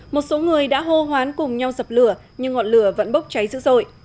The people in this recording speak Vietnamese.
một số người đã hô hoán cùng nhau dập lửa nhưng ngọn lửa vẫn bốc cháy dữ dội